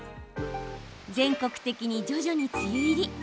全国的に徐々に梅雨入り。